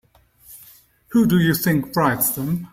Who do you think writes them?